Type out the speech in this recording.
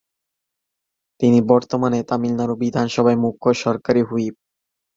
তিনি বর্তমানে তামিলনাড়ু বিধানসভায় মুখ্য সরকারি হুইপ।